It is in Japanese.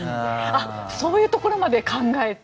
そういうところまで考えて。